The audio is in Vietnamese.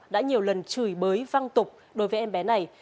đã nhiều lần chửi bới văng tục đối với em bé này